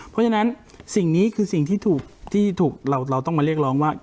เพราะฉะนั้นสิ่งนี้คือสิ่งที่ถูกเราต้องมาเรียกร้องว่า